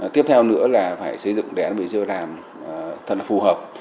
tiếp theo nữa là phải xây dựng đề án về siêu làm thật là phù hợp